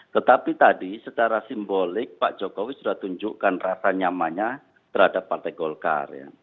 tetapi tadi secara simbolik pak jokowi sudah tunjukkan rasa nyamannya terhadap partai golkar